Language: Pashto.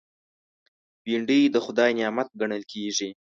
بېنډۍ د خدای نعمت ګڼل کېږي